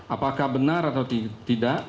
apakah benar atau tidak